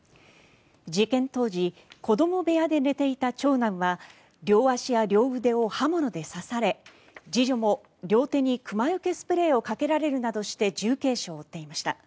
事件当時子ども部屋で寝ていた長男は両足や両腕を刃物で刺され次女も両手に熊よけスプレーをかけられるなどして重軽傷を負っていました。